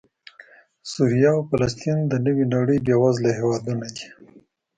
سوریه او فلسطین د نوې نړۍ بېوزله هېوادونه دي